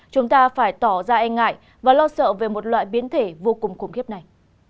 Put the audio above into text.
chúng ta phải tỏ ra e ngại và lo sợ về một loại biến thể vô cùng khủng khiếp này